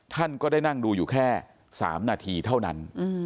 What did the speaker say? ท่านก็ได้นั่งดูอยู่แค่๓นาทีเท่านั้น